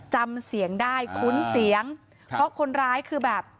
จำเสียงได้คุ้นเสียงเพราะคนร้ายคือแบบ